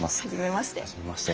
初めまして。